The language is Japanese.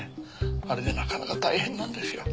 あれでなかなか大変なんですよ。